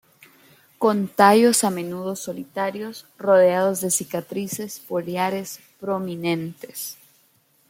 Con tallos a menudo solitarios, rodeados de cicatrices foliares prominentes.